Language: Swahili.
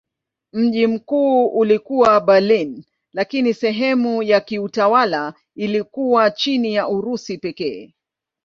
Mji mkuu ulikuwa Berlin lakini sehemu ya kiutawala iliyokuwa chini ya Urusi pekee.